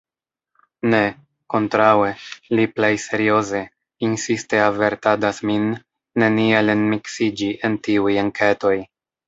Ne, kontraŭe, li plej serioze, insiste avertadas min, neniel enmiksiĝi en tiuj enketoj.